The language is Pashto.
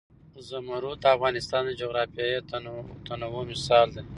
زمرد د افغانستان د جغرافیوي تنوع مثال دی.